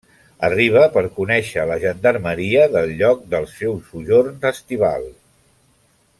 Arriba per conèixer la gendarmeria del lloc del seu sojorn estival.